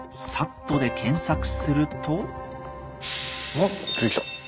あっ出てきた！